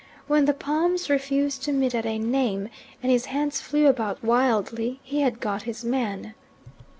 When the palms refused to meet at a name, and his hands flew about wildly, he had got his man.